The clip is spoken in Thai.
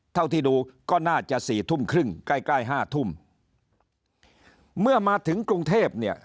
เท่าที่ดูก็น่าจะ๔ทุ่มครึ่งใกล้๕ทุ่มเมื่อมาถึงกรุงเทพฯ